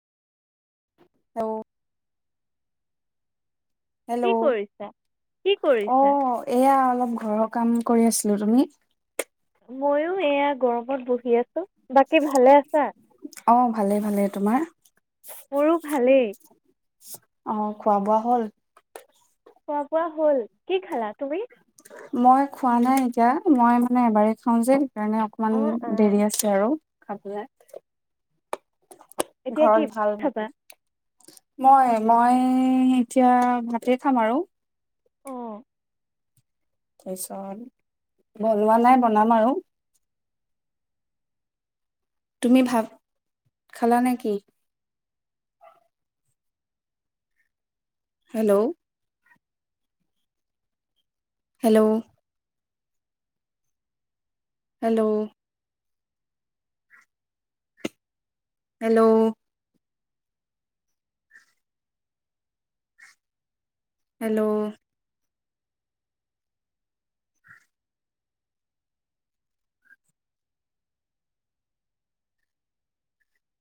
অ hello কি কৰিছা? কি অ কৰিছা? এয়া অলপ ঘৰৰ কাম কৰি আছিলো তুমি ময়ো এয়া গৰমত বহি আছো বাকী ভালে আছা অ ভালেই ভালেই তোমাৰ মোৰো ভালেই আহ খোৱা বোৱা হ'ল খোৱা বোৱা হ'ল কি খালা তুমি মই খোৱা নাই এতিয়া মই মানে এবাৰেই খাও যে সেইকাৰণে অকমান অ', দেৰি অ'। আছে আৰু আপাক এতিয়া কি ঘৰত ভাল ভাত মানে খাবা? মই মই এতিয়া ভাতে খাম আৰু অ', তাৰপিছত বনোৱা নাই বনাম আৰু তুমি ভাব খালা নে কি hello hello hello hello hello